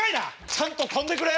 ちゃんと跳んでくれ。